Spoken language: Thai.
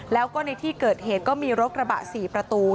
แล้วก็ในที่เกิดเหตุก็มีรถกระบะ๔ประตู